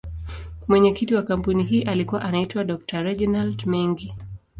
Mwenyekiti wa kampuni hii alikuwa anaitwa Dr.Reginald Mengi.